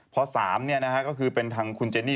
พอสามเนี่ยนะฮะก็คือเป็นทางคุณเจนี่